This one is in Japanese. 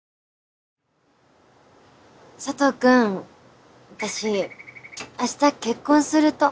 佐藤君私明日結婚すると。